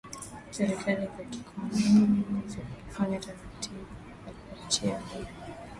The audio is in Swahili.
serikali za kikoloni zilipofanya taratibu za kuwaachia huru